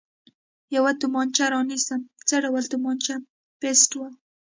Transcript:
یوه تومانچه را نیسم، څه ډول تومانچه؟ پېسټول.